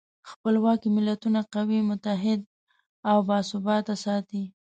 خپلواکي ملتونه قوي، متحد او باثباته ساتي.